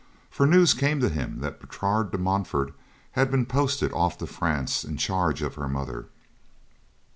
For news came to him that Bertrade de Montfort had been posted off to France in charge of her mother.